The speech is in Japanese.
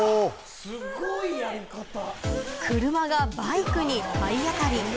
車がバイクに体当たり。